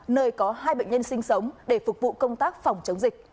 nơi có hai bệnh nhân sinh sống để phục vụ công tác phòng chống dịch